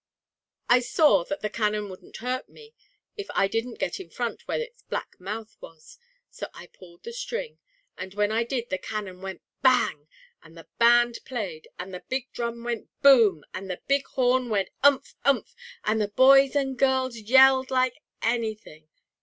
I saw that the cannon wouldn't hurt me if I didn't get in front where its black mouth was, so I pulled the string. And when I did the cannon went 'Bang!' And the band played, and the big drum went 'Boom!' and the big horn went 'Umph umph!' and the boys and girls yelled like anything.